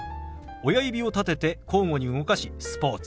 親指を立てて交互に動かし「スポーツ」。